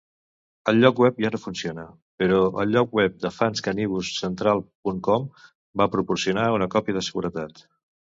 El lloc web ja no funciona, però el lloc web de fans Canibus-Central punt com va proporcionar una còpia de seguretat.